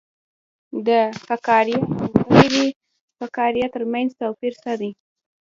د فقاریه او غیر فقاریه ترمنځ توپیر څه دی